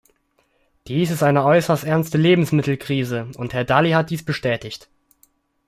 Dies ist eine äußerst ernste Lebensmittelkrise, und Herr Dalli hat dies bestätigt.